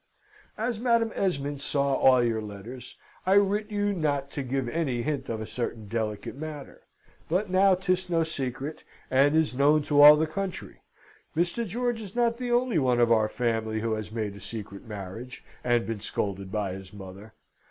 "As Madam Esmond saw all your letters, I writ you not to give any hint of a certain delicate matter but now 'tis no secret, and is known to all the country. Mr. George is not the only one of our family who has made a secret marriage, and been scolded by his mother.